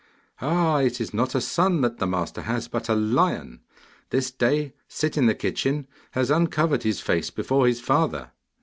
'Ah, it is not a son that the master has, but a lion! This day Sit in the kitchen has uncovered his face before his father!